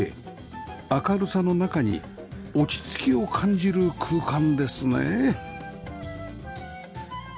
明るさの中に落ち着きを感じる空間ですね